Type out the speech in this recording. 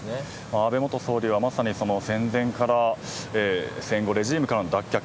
安倍元総理はまさに戦前から戦後レジームからの脱却